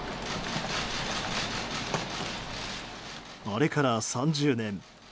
あれから３０年。